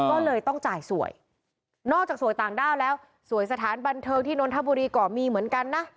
ก็เลยต้องจ่ายสวยนอกจากสวยต่างด้าวแล้วสวยสถานบันเทิงที่นนทบุรีก็มีเหมือนกันนะ